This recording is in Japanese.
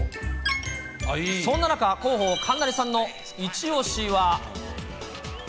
そんな中、広報、神成さんの一押しは。